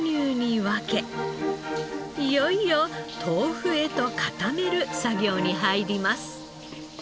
いよいよ豆腐へと固める作業に入ります。